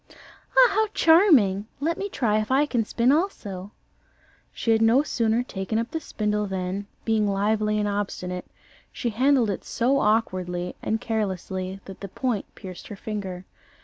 "Ah, how charming! Let me try if I can spin also." She had no sooner taken up the spindle than, being lively and obstinate, she handled it so awkwardly and carelessly that the point pierced her finger.